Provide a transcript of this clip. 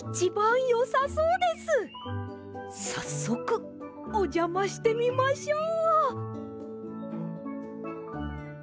さっそくおじゃましてみましょう。